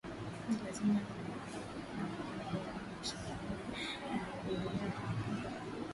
lazima ziwepoKati ya wengi walio mashuhuri ni Magungulugwa wa vipindi tofauti vya utawala